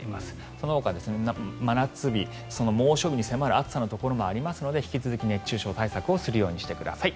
そのほか真夏日、猛暑日に迫る暑さのところもありますので引き続き熱中症対策をするようにしてください。